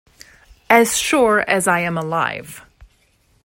As sure as I am alive.